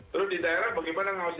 terus di daerah bagaimana ngawasin